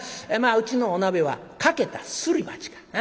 まあうちのお鍋は欠けたすり鉢か。